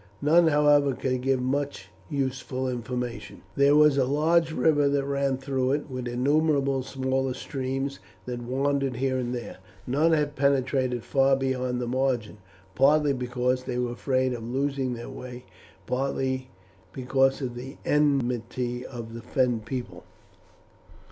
None, however, could give much useful information. There was a large river that ran through it, with innumerable smaller streams that wandered here and there. None had penetrated far beyond the margin, partly because they were afraid of losing their way, partly because of the enmity of the Fen people.